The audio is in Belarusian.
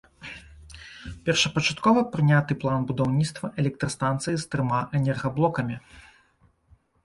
Першапачаткова прыняты план будаўніцтва электрастанцыі з трыма энергаблокамі.